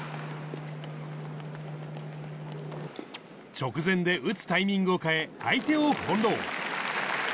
直前で打つタイミングを変え、相手を翻弄。